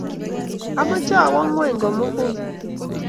amoche awo ngony komugul.